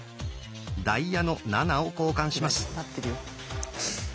「ダイヤの７」を交換します。